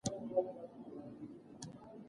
موږ به سبا پوهان وګورو.